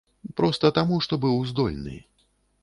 Проста таму, што быў здольны.